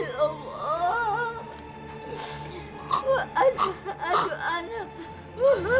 ibu sudah memaafkan engkau ibu sudah memaafkan engkau